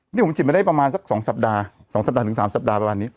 นี่ผมฉีดมาได้ประมาณสัก๒สัปดาห์๒สัปดาห์ถึง๓สัปดาห์ประมาณนี้